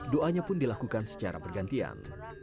doanya pun dilakukan secara bergantian